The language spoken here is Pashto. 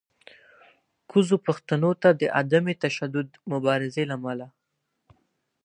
کوزو پښتنو ته د عدم تشدد مبارزې له امله